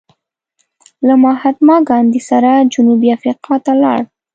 له مهاتما ګاندې سره جنوبي افریقا ته ولاړ.